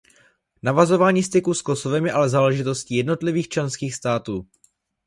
Navazování styků s Kosovem je ale záležitostí jednotlivých členských států.